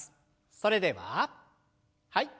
それでははい。